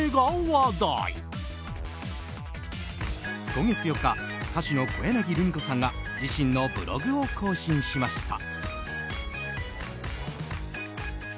今月４日歌手の小柳ルミ子さんが自身のブログを更新しました。